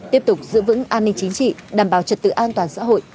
tiếp tục giữ vững an ninh chính trị đảm bảo trật tự an toàn xã hội